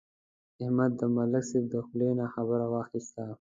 احمد د ملک صاحب د خولې نه خبره واخیسته.